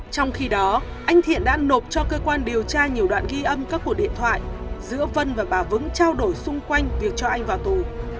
trong khi đó anh thiện đã nộp cho cơ quan điều tra nhiều đoạn ghi âm các cuộc điện thoại giữa vân và bà vững trao đổi xung quanh việc cho anh vào tù